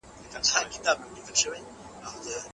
ظلم د ټولني د زوال سبب کيږي.